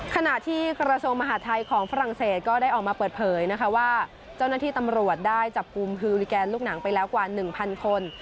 ขณะที่กระทรวงมหาทัยของฝรั่งเศสก็ได้ออกมาเปิดเผยนะคะว่าเจ้าหน้าที่ตำรวจได้จับกลุ่มฮือลิแกนลูกหนังไปแล้วกว่า๑๐๐คน